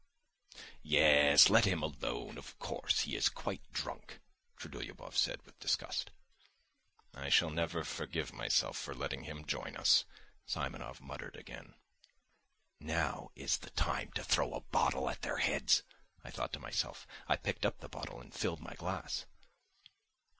"Yes, let him alone, of course! He is quite drunk," Trudolyubov said with disgust. "I shall never forgive myself for letting him join us," Simonov muttered again. "Now is the time to throw a bottle at their heads," I thought to myself. I picked up the bottle ... and filled my glass....